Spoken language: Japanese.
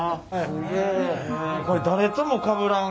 これ誰ともかぶらんからね